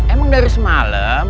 emang dari semalam